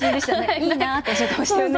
いいなっておっしゃってましたよね。